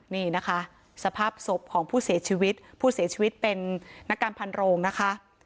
นี่นะคะสภาพศพของผู้เสียชีวิตผู้เสียชีวิตเป็นนักการพันโรงนะคะ